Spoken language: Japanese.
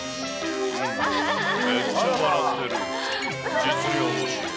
めっちゃ笑ってる。